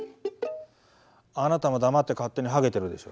「あなたも黙って勝手にハゲてるでしょ」。